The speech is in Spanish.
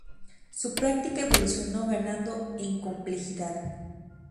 Su práctica evolucionó ganando en complejidad.